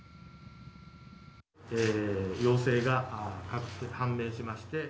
陽性が判明しまして。